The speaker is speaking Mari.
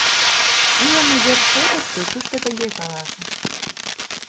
Илыме вер шотышто тушто тыге каласышт: